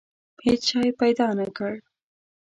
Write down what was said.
هېڅ شی پیدا نه کړ.